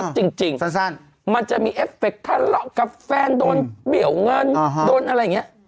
ช็อตจริงมันจะมีเอฟเฟกต์ถ้าหลอกกับแฟนโดนเปี่ยวเงินโดนอะไรอย่างนี้